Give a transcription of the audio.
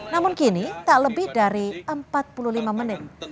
namun kini tak lebih dari empat puluh lima menit